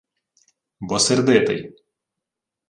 — Бо сердитий.